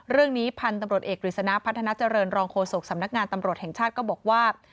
เรื่องนี้พันธุ์ตำรวจเอกกฤษณะพัฒนาเจริญรองโฆษกสำนักงานตำรวจแห่งชาติก็บอกว่า